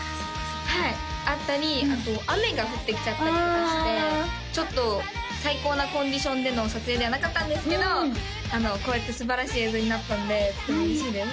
はいあったりあと雨が降ってきちゃったりとかしてちょっと最高なコンディションでの撮影ではなかったんですけどこうやってすばらしい映像になったのでとても嬉しいです